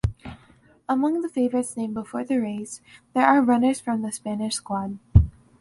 Among the favorites named before the race, there are runners from the Spanish squad.